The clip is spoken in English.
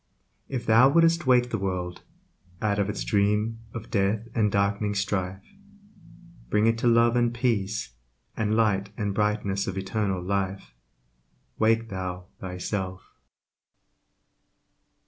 If thou would'st wake the world Out of its dream of death and dark'ning strife, Bring it to Love and Peace, And Light and brightness of immortal Life, Wake thou thyself.